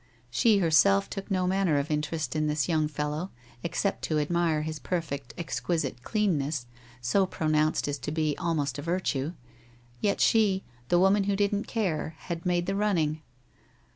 She herself took no manner of interest in this young fellow, except to admire his perfect, exquisite cleanness, so pronounced as to be almost a virtue; yet she, the woman who didn't care, had made the running